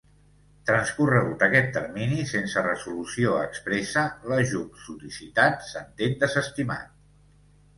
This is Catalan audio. Transcorregut aquest termini sense resolució expressa, l'ajut sol·licitat s'entén desestimat.